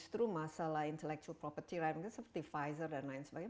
saya melihat masalah intellectual property rights seperti pfizer dan lain sebagainya